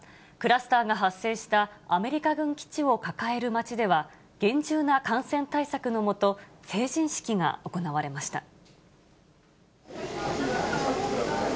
クラスターが発生したアメリカ軍基地を抱える街では、厳重な感染対策の下、成人式が行われました。